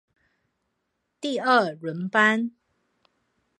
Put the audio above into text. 第二輪班